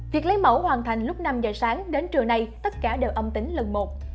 việc lấy mẫu hoàn thành lúc năm giờ sáng đến trưa nay tất cả đều âm tính lần một